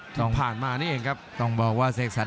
ที่ผ่านมานี่เองครับต้องบอกว่าเสกสรร